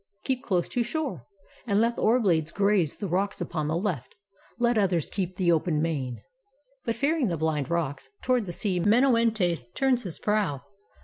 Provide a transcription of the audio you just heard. Keep close to shore, and let the oar blades graze The rocks upon the left. Let others keep The open main." But, fearing the blind rocks. Toward the sea Menoetes turns his prow.